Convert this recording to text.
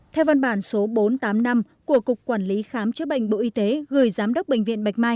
theo văn bản số bốn trăm tám mươi năm của cục quản lý khám chữa bệnh bộ y tế gửi giám đốc bệnh viện bạch mai